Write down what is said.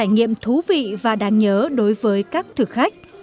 trải nghiệm thú vị và đáng nhớ đối với các thực khách